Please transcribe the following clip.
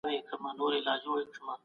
هغه د تاريخ مانا لټوي.